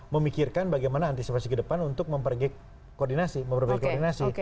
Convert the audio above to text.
memikirkan bagaimana antisipasi ke depan untuk memperbaiki koordinasi